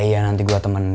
iya iya nanti gue temenin